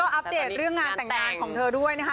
อัปเดตเรื่องงานแต่งงานของเธอด้วยนะคะ